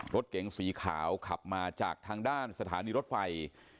รถเก๋งสีขาวขับมาจากทางด้านสถานีรถไฟ